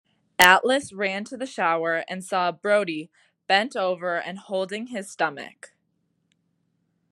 Atlas ran to the shower and saw Brody bent over and holding his stomach.